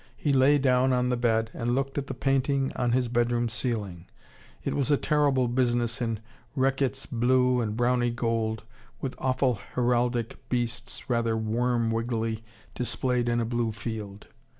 He lay down on the bed, and looked at the painting on his bedroom ceiling. It was a terrible business in reckitt's blue and browny gold, with awful heraldic beasts, rather worm wriggly, displayed in a blue field.